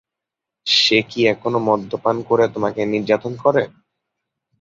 সে কি এখনো মদ্যপান করে তোমাকে নির্যাতন করে?